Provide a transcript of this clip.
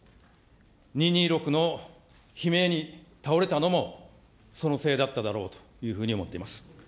二・二六のひめいに倒れたのも、そのせいだっただろうというふうに思ってます。